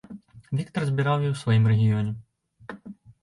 Віктар збіраў яе ў сваім рэгіёне.